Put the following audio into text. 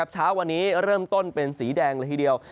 เช้าวันนี้เริ่มต้นเป็นสีแดงละทีเดียว